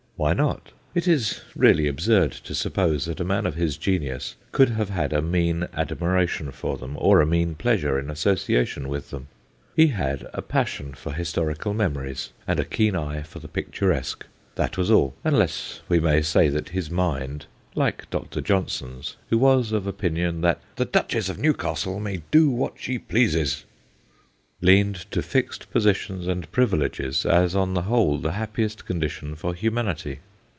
Why not ? It is really A LESSON FOR LIONS 197 absurd to suppose that a man of his genius could have had a mean admiration for them, or a mean pleasure in association with them. He had a passion for historical memories and a keen eye for the picturesque : that was all, unless we may say that his mind (like Dr. Johnson's, who was of opinion that * the Duchess of Newcastle may do what she pleases '), leant to fixed positions and privi leges, as on the whole the happiest condition for humanity.